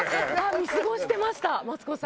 見過ごしてましたマツコさんを。